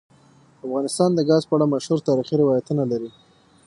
افغانستان د ګاز په اړه مشهور تاریخی روایتونه لري.